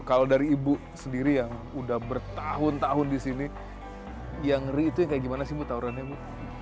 kalau dari ibu sendiri yang udah bertahun tahun di sini yang ngeri itu yang kayak gimana sih bu tawurannya bu